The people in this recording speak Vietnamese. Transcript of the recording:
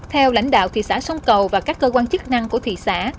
theo lãnh đạo thị xã sông cầu và các cơ quan chức năng của thị xã